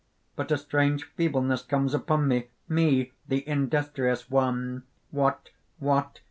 "But a strange feebleness comes upon me, me the Industrious One! What! what!